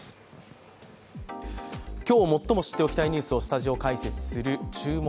今日最も知っておきたいニュースをスタジオ解説する「注目！